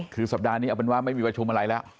คือสัปดาห์นี้เอาเป็นว่าไม่มีประชุมอะไรแล้ว